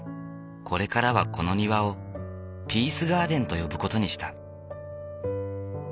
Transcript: これからはこの庭をピースガーデンと呼ぶ事にした。